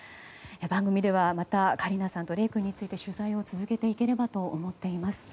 番組でまたカリナさんとレイ君について取材を続けていければと思っています。